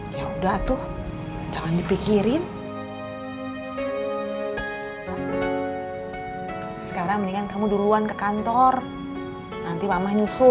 soal judi soal semuanya maeros teh udah cerita sama cucu